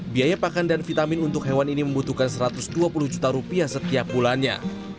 biaya pakan dan vitamin untuk hewan ini membutuhkan satu ratus dua puluh juta rupiah setiap bulannya